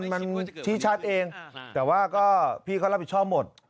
มันชี้ชัดเองแต่ว่าก็พี่เขารับผิดชอบหมด